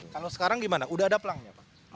kalau sekarang gimana udah ada pelangnya pak